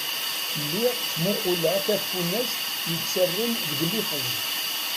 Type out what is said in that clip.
Lliɣ ttmuquleɣ tafunast yettarran deg liffeẓ.